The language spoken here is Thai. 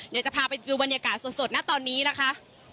เดี๋ยวจะพาไปดูบรรยากาศสดนะตอนนี้นะคะ